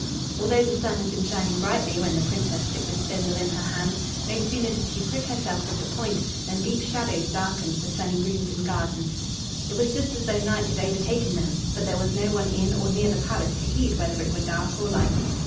Although the sun had been shining brightly when the Princess took the spindle in her hand, no sooner did she prick herself with the point than deep shadows darkened the sunny rooms and gardens. It was just as though night had overtaken them, but there was no one in or near the palace to heed whether it were dark or light.